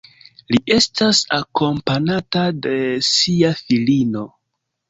Li estas akompanata de sia filino.